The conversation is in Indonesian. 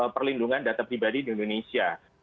perlindungan data pribadi di indonesia